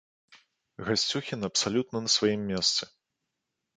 Гасцюхін абсалютна на сваім месцы.